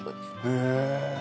へえ。